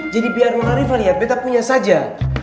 jadi biar nona rifa liat beta punya saja